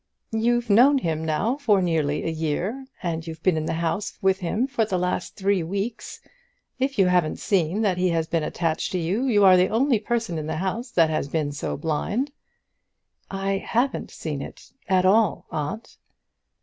"You've known him now for nearly a year, and you've been in the house with him for the last three weeks. If you haven't seen that he has been attached to you, you are the only person in the house that has been so blind." "I haven't seen it at all, aunt."